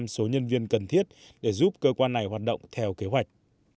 năm mươi số nhân viên cần thiết để giúp cơ quan này hoạt động theo kế hoạch